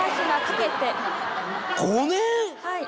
はい。